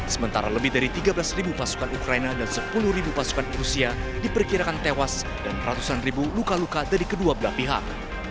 sementara lebih dari tiga belas pasukan ukraina dan sepuluh pasukan rusia diperkirakan tewas dan ratusan ribu luka luka dari kedua belah pihak